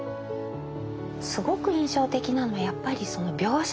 すごく印象的なのはやっぱりその描写なんですよね。